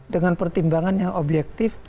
dengan pertimbangan yang objektif